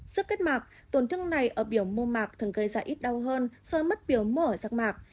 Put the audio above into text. sức kết mạc tổn thương này ở biểu mô mạc thường gây ra ít đau hơn so với mất biểu mô ở giác mạc